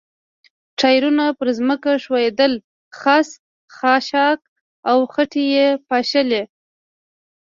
ټایرونه پر ځمکه ښویېدل، خس، خاشاک او خټې یې پاشلې.